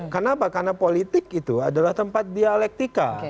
kenapa karena politik itu adalah tempat dialektika